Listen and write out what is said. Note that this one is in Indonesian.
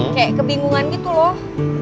kayak kebingungan gitu loh